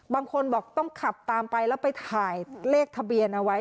บางคนบอกต้องขับตามไปแล้วไปถ่ายเลขทะเบียนเอาไว้